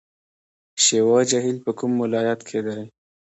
شیوا جهیل په کوم ولایت کې دی؟